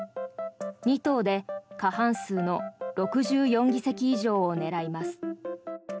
２党で過半数の６４議席以上を狙います。